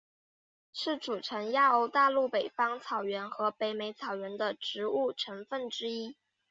是组成欧亚大陆北方草原和北美草原的植物成分之一。